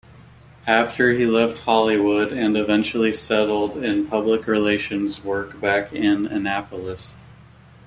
Afterwards he left Hollywood and eventually settled in public relations work back in Annapolis.